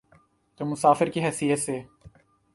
تو مسافر کی حیثیت سے۔